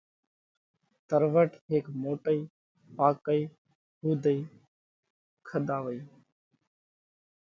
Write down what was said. تروٺ هيڪ موٽئي پاڪئِي هوڌئِي کۮاوئِي۔